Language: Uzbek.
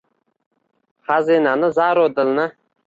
Xazinani zaru dilni